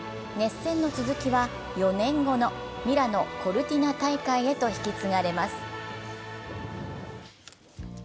熱戦の続きは４年後のミラノ・コルティナ大会へと引き継がれます。